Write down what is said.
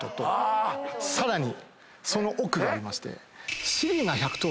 さらにその奥がありまして。